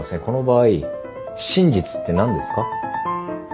この場合真実って何ですか？